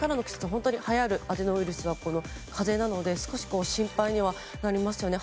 本当にはやるアデノウイルスはそういう風邪なので少し心配にはなりますよね。